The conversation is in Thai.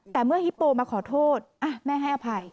แต่เมื่อฮิปโปมาขอโทษแม่ให้อภัย